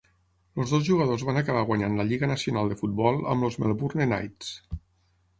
Els dos jugadors van acabar guanyant la Lliga Nacional de Futbol amb els Melbourne Knights.